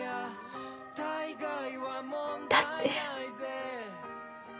だって。